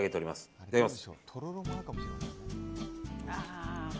いただきます。